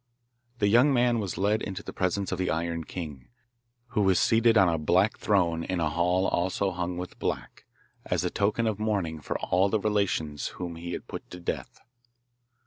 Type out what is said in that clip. The young man was led into the presence of the Iron King, who was seated on a black throne in a hall also hung with black, as a token of mourning for all the relations whom he had put to death.